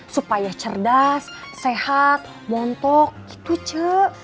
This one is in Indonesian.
supaya cerdas sehat montok gitu cek